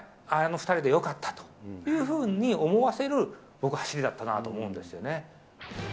あの２人でよかったというように思わせる僕は走りだったと思うんですよね。